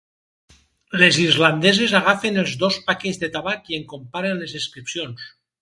Les islandeses agafen els dos paquets de tabac i en comparen les inscripcions.